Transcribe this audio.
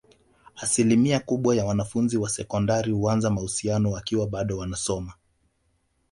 Asilimia kubwa ya wanafunzi wa sekondari huanza mahusiano wakiwa bado wanasoma